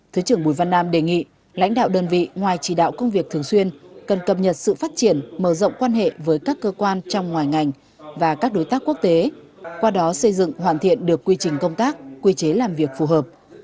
thứ trưởng bùi văn nam đề nghị lãnh đạo đơn vị ngoài chỉ đạo công việc thường xuyên cần cập nhật sự phát triển mở rộng quan hệ với các cơ quan trong ngoài ngành và các đối tác quốc tế qua đó xây dựng hoàn thiện được quy trình công tác quy chế làm việc phù hợp